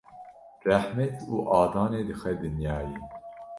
rehmet û adanê dixe dinyayê.